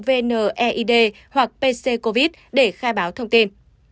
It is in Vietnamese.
cneid hoặc pccovid để khai báo thông tin